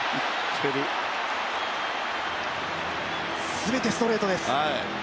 全てストレートです。